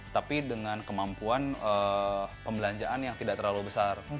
tapi dengan kemampuan pembelanjaan yang tidak terlalu besar